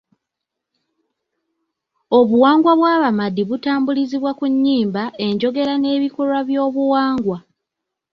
Obuwangwa bw'Abamadi butambulizibwa mu nnyimba, enjogera n'ebikolwa by'obuwangwa.